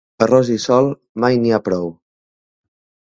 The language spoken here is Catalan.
Arròs i sol, mai n'hi ha prou.